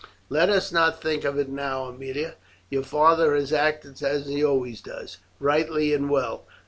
"Let us not think of it now, Aemilia. Your father has acted, as he always does, rightly and well.